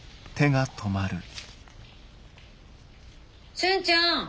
俊ちゃん。